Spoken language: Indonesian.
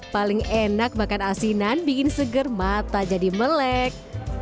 paling enak makan asinan bikin seger mata jadi melek